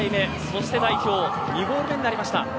そして代表２ゴール目になりました。